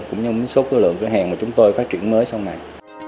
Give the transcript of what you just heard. cũng như số lượng cửa hàng mà chúng tôi phát triển mới sau này